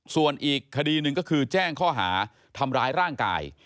ส่วนอีกคดีหนึ่งก็คือแจ้งข้อหาทำร้ายร่างกาย